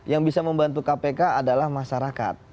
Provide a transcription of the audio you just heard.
yang bisa membantu kpk adalah masyarakat